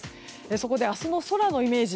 そこで明日の空のイメージ